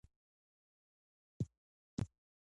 دوی ټول یو ځای راټول شوي دي.